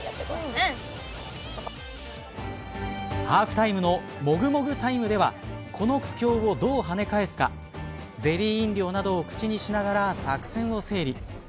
ハーフタイムのもぐもぐタイムではこの苦境をどうはね返すかゼリー飲料などを口にしながら作戦を整理。